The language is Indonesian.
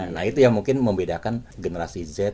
nah itu yang mungkin membedakan generasi z